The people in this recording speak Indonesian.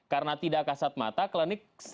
karena tidak kasat mata klenik sering berhasil